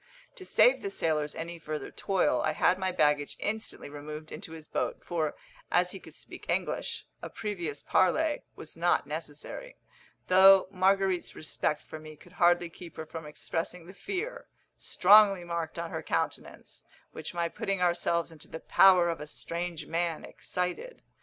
To save the sailors any further toil, I had my baggage instantly removed into his boat; for, as he could speak English, a previous parley was not necessary, though Marguerite's respect for me could hardly keep her from expressing the fear, strongly marked on her countenance, which my putting ourselves into the power of a strange man excited.